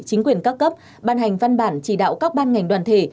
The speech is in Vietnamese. chính quyền các cấp ban hành văn bản chỉ đạo các ban ngành đoàn thể